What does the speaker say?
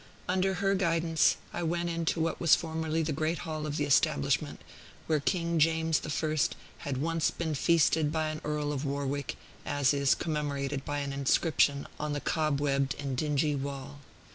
Under her guidance, I went into what was formerly the great hall of the establishment, where King James I. had once been feasted by an Earl of Warwick, as is commemorated by an inscription on the cobwebbed and dingy wall.